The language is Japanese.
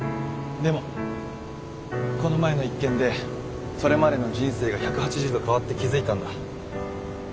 でもこの前の一件でそれまでの人生が１８０度変わって気付いたんだ。